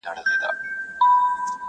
د مسافر جانان کاغذه!